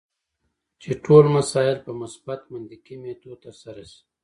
چې ټول مسایل په مثبت منطقي میتود ترسره شي.